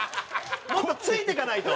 もっとついていかないと！